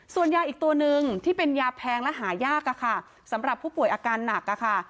ส่วนยาอีกตัวนึงที่เป็นยาแพงและหายากอะค่ะสำหรับผู้ป่วยอาการหนักค่ะ